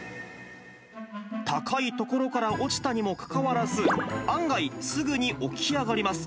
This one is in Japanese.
高い所から落ちたにもかかわらず、案外、すぐに起き上がります。